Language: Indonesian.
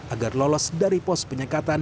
agar lolos dari pos penyekatan